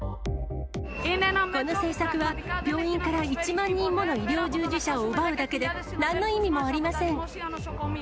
この政策は、病院から１万人もの医療従事者を奪うだけで、なんの意味もありま